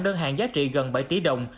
đơn hàng giá trị gần bảy tỷ đồng